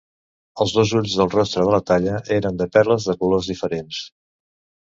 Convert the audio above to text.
Els dos ulls del rostre de la talla eren de perles de colors diferents.